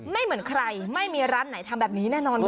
เหมือนใครไม่มีร้านไหนทำแบบนี้แน่นอนค่ะ